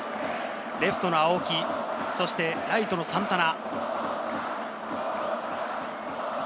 レフトの青木、そしてライトのサンタナ。